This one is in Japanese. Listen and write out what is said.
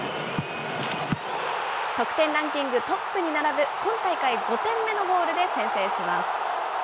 得点ランキングトップに並ぶ、今大会５点目のゴールで先制します。